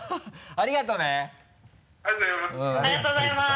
ありがとうございます。